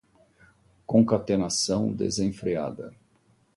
concatenação desenfreada